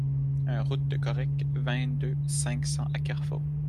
un route de Correc, vingt-deux, cinq cents à Kerfot